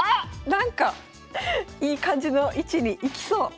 なんかいい感じの位置に行きそう。